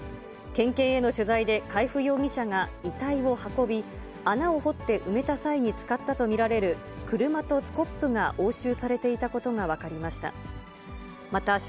県警への取材で、海部容疑者が遺体を運び、穴を掘って埋めた際に使ったと見られる車とスコップが押収されていたことが分かりました。